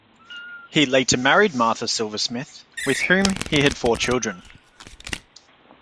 He later married Martha Silversmith, with whom he had four children.